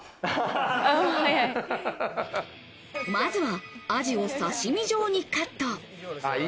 まずはアジを刺身状にカット。